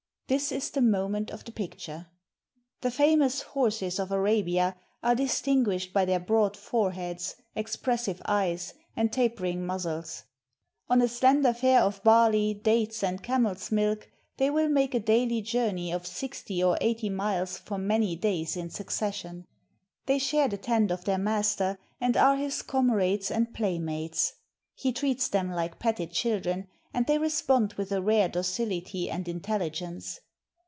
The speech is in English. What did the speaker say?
This is the moment of the picture. The famous horses of Arabia are distinguished by their broad foreheads, expressive eyes, and tapering muzzles. On a slender fare of barley, dates, and camel's milk, they will make a daily journey of sixty or eighty miles for many days in succession. They share the tent of their master and are his comrades and playmates. He treats them like petted children, and they respond with a rare docility and intelli gence.